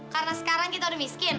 karena sekarang kita udah miskin